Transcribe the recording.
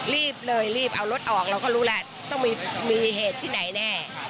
รีบเลยรีบเอารถออกเราก็รู้แล้วต้องมีเหตุที่ไหนแน่